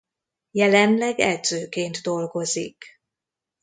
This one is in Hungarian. Jelenleg edzőként dolgozik.